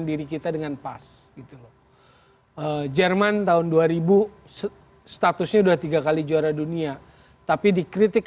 diri kita dengan pas gitu loh jerman tahun dua ribu statusnya udah tiga kali juara dunia tapi dikritik